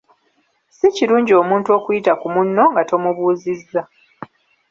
Si kirungi omuntu okuyita ku munno nga tomubuuzizza.